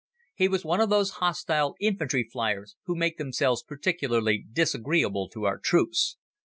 He was one of those hostile infantry fliers who make themselves particularly disagreeable to our troops.